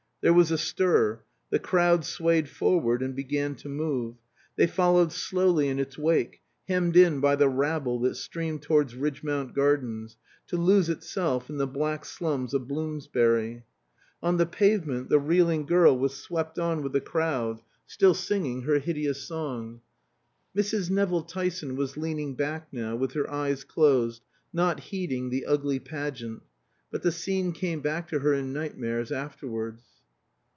There was a stir; the crowd swayed forward and began to move. They followed slowly in its wake, hemmed in by the rabble that streamed towards Ridgmount Gardens, to lose itself in the black slums of Bloomsbury. On the pavement the reeling girl was swept on with the crowd, still singing her hideous song. Mrs. Nevill Tyson was leaning back now, with her eyes closed, not heeding the ugly pageant. But the scene came back to her in nightmares afterwards.